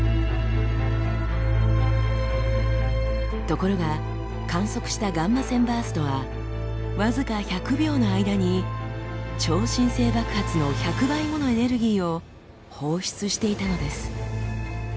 ところが観測したガンマ線バーストは僅か１００秒の間に超新星爆発の１００倍ものエネルギーを放出していたのです。